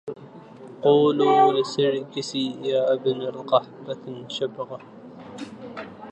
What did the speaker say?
قولوا لسرجس يا ابن القحبة الشبقه